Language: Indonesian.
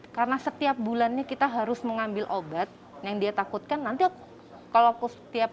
karena setiap bulannya kita harus mengambil obat yang dia takutkan nanti kalau setiap